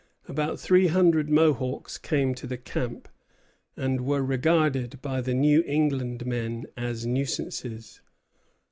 About three hundred Mohawks came to the camp, and were regarded by the New England men as nuisances.